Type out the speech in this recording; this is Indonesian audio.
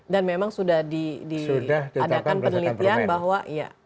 dan memang sudah diadakan penelitian bahwa ya